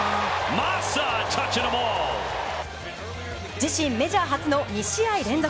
自身メジャー初の２試合連続。